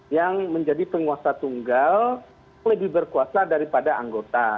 yang menjadi penguasa tunggal lebih berkuasa daripada anggota